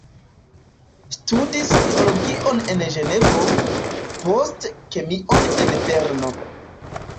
Studis biologion en Ĝenevo, poste kemion en Berno.